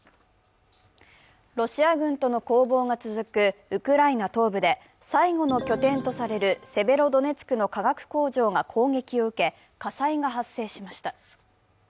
ロシア軍との攻防が続くウクライナ東部で最後の拠点とされるセベロドネツクの化学工場が攻撃を受け火災が発生をしました。